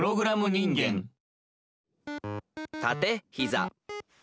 「たてひざ」。